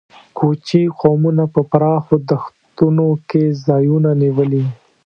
کوچي قومونو په پراخو دښتونو کې ځایونه نیولي.